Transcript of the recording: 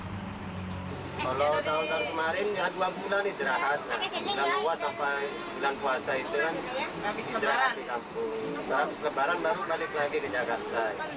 habis lebaran baru balik lagi ke jakarta